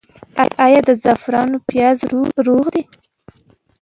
آیا د زعفرانو پیاز روغ دي؟